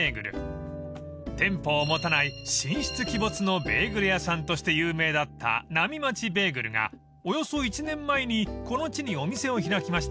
［店舗を持たない神出鬼没のベーグル屋さんとして有名だったなみまちベーグルがおよそ１年前にこの地にお店を開きました］